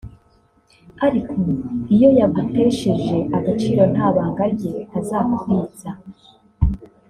ariko iyo yagutesheje agaciro nta banga rye azakubitsa